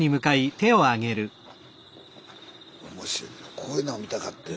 こういうのが見たかってん。